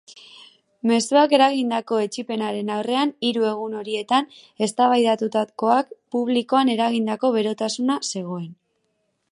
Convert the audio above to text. Mezuak eragindako etsipenaren aurrean hiru egun horietan eztabaidatutakoak publikoan eragindako berotasuna zegoen.